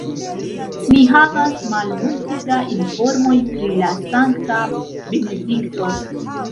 Ni havas malmulte da informoj pri la sankta Benedikto.